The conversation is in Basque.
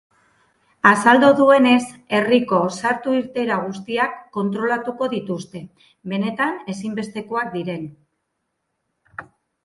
Azaldu duenez, herriko sartu-irteera guztiak kontrolatuko dituzte, benetan ezinbestekoak diren egiaztatzeko.